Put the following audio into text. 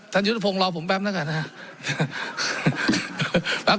ท่านยุทธภงรอผมแปปน่ะกันนะครับ